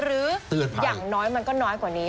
อย่างน้อยมันก็น้อยกว่านี้